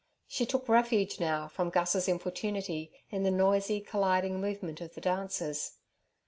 She took refuge now from Gus's importunity, in the noisy, colliding movement of the dancers.